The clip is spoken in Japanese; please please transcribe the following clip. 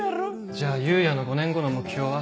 じゃあ裕也の５年後の目標は？